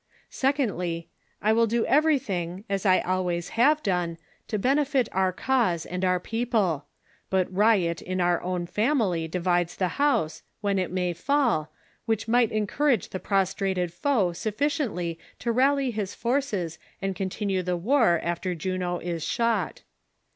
Secondly — I will do everytliing, as I always have done, to benefit our cause and our ])eople ; but riot in our own family divides the house, when it may fall, which might THE CONSPIRATORS AND LOVERS. 365 encourage the prostrated foe sufficiently to rally his forces and continue the war after Juno is shot.